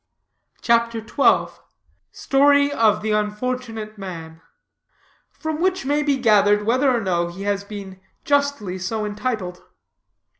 CHAPTER XII. STORY OF THE UNFORTUNATE MAN, FROM WHICH MAY BE GATHERED WHETHER OR NO HE HAS BEEN JUSTLY SO ENTITLED.